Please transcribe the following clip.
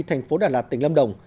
thành phố đà lạt tỉnh lâm đồng